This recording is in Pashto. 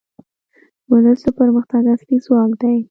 ولس د پرمختګ اصلي ځواک دی.